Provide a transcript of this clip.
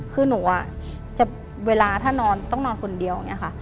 คือหนูจะเวลาถ้านอนต้องนอนคนเดียวอย่างนี้ค่ะ